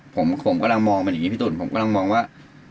ผมกำลังมองเป็นอย่างนี้พี่ตุ๋นผมกำลังมองว่า